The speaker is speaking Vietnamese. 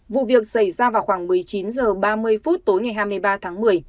vụ việc xảy ra vào khoảng một mươi chín h ba mươi phút tối ngày hai mươi ba tháng một mươi